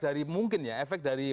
dari mungkin ya efek dari